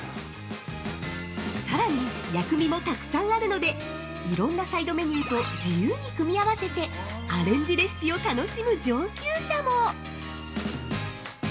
◆さらに薬味もたくさんあるのでいろんなサイドメニューと自由に組み合わせてアレンジレシピを楽しむ上級者も。